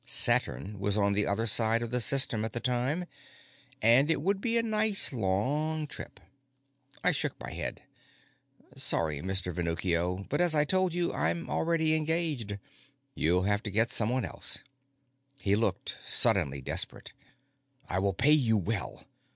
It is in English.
Saturn was on the other side of the System at the time, and it would be a nice, long trip. I shook my head. "Sorry, Mr. Venuccio, but, as I told you, I'm already engaged. You'll have to get someone else." He looked suddenly desperate. "I will pay you well.